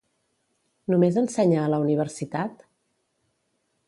Només ensenya a la universitat?